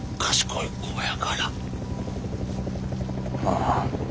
ああ。